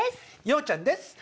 洋ちゃんです。